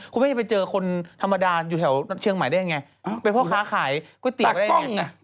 คุณแม่จะไปเจอคนธรรมดาอยู่แถวเชียงใหม่ได้ยังไงเป็นพ่อค้าขายก๋วยเตี๋ยวไง